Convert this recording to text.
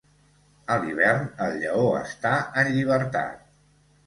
A l'hivern, el lleó està en llibertat.